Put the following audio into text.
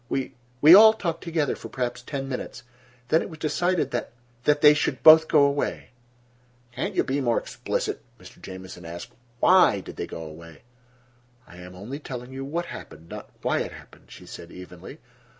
We—we all talked together for perhaps ten minutes. Then it was decided that—that they should both go away—" "Can't you be more explicit?" Mr. Jamieson asked. "Why did they go away?" "I am only telling you what happened, not why it happened," she said evenly.